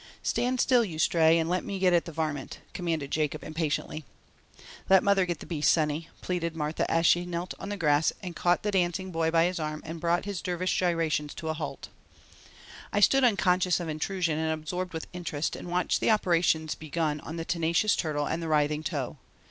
"Stand still, you Stray, and let me get at the varmint," commanded Jacob impatiently. "Let mother get the beast, sonny," Martha pleaded as she knelt on the grass and caught the dancing boy by his arm and brought his dervish gyrations to a halt. I stood unconscious of intrusion and absorbed with interest and watched the operations begun on the tenacious turtle and the writhing toe.